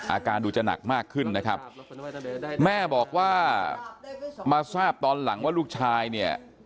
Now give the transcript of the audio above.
อาการดูจะหนักมากขึ้นนะครับแม่บอกว่ามาทราบตอนหลังว่าลูกชายเนี่ย